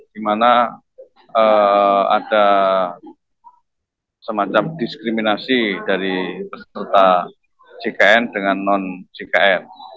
di mana ada semacam diskriminasi dari peserta jkn dengan non jkn